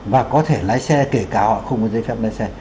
và có thể lái xe kể cả họ không có giấy phép lái xe